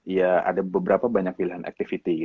ya ada beberapa banyak pilihan activity